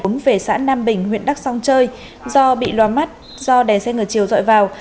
cũng về xã nam bình huyện đắc song chơi do bị loa mắt do đè xe ngựa chiều dọi vào